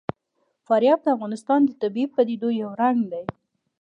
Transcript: فاریاب د افغانستان د طبیعي پدیدو یو رنګ دی.